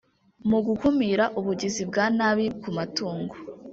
Mu gukumira ubugizi bwa nabi ku matungo